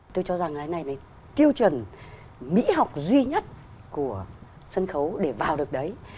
tôi cho rằng cái này đấy tiêu chuẩn mỹ học duy nhất của sân khấu để vào được đấy